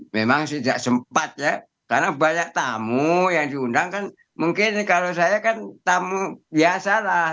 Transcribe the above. memang sejak sempat ya karena banyak tamu yang diundang kan mungkin kalau saya kan tamu biasa lah